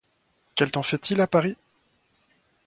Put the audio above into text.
Quel temps fait-il à Paris ?